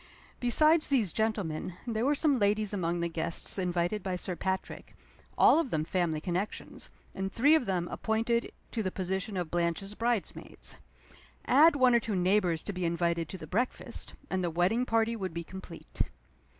Besides these gentlemen, there were some ladies among the guests invited by Sir Patrick all of them family connections, and three of them appointed to the position of Blanche's bridesmaids. Add one or two neighbors to be invited to the breakfast and the wedding party would be complete.